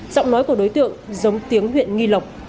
giọng nói của đối tượng giống tiếng huyện nghi lộc